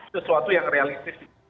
sesuatu yang realistis